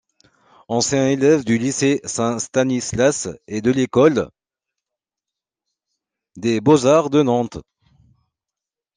Ancien élève du lycée Saint-Stanislas et de l'école des Beaux-Arts de Nantes.